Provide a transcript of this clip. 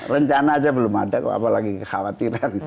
rencana saja belum ada apalagi kekhawatiran